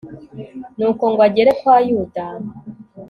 nuko ngo agere kwa yuda